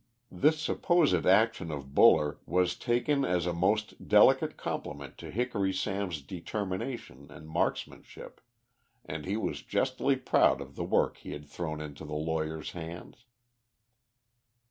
This supposed action of Buller was taken as a most delicate compliment to Hickory Sam's determination and marksmanship, and he was justly proud of the work he had thrown into the lawyer's hands.